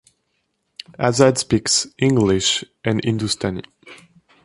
Azad speaks English and Hindustani.